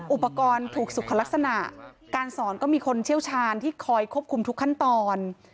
อุปกรณ์ถูกสุขลักษณะการสอนก็มีคนเชี่ยวชาญที่คอยควบคุมทุกขั้นตอน